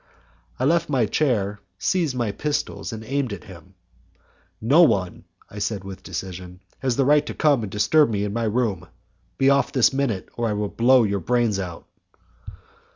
I left my chair, seized my pistols, and aimed at him. "No one," I said, with decision, "has the right to come and disturb me in my room; be off this minute, or I blow your brains out."